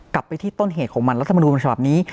กลับไปที่ต้นเหตุของมันรัฐมนุนฉบับนี้